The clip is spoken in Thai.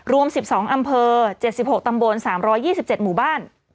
รวม๑๒อำเภอ๗๖ตำบล๓๒๗หมู่บ้าน